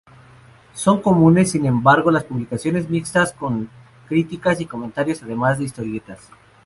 Son comunes, sin embargo, las publicaciones mixtas, con críticas y comentarios además de historietas.